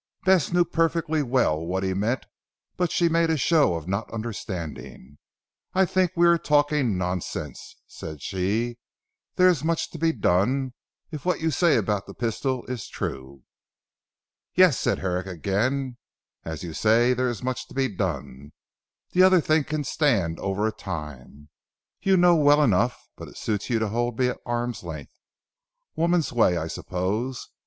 Bess knew perfectly well what he meant, but she made a show of not understanding. "I think we are talking nonsense," she said. "There is much to be done, if what you say about the pistol is true." "Yes," said Herrick again, "as you say there is much to be done. The other thing can stand over for a time. You know well enough; but it suits you to hold me at arm's length. Woman's way I suppose.